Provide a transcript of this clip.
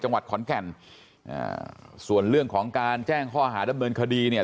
จังหวัดขอนแก่นอ่าส่วนเรื่องของการแจ้งข้อหาดำเนินคดีเนี่ย